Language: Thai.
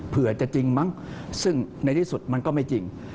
เผื่อจะจริงมั้งซึ่งในที่สุดมันก็ไม่จริง